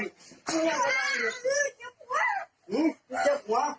อื้อแกเจ็บหวะ